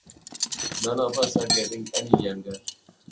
None of us are getting any younger.